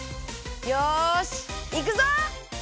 よしいくぞ！